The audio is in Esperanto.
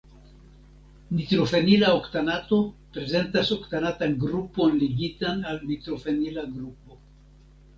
Nitrofenila oktanato prezentas oktanatan grupon ligitan al nitrofenila grupo.